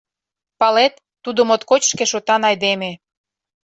Палет, тудо моткоч шкешотан айдеме.